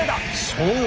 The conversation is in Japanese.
そう。